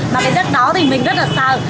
mà cái giá đó thì mình rất là sợ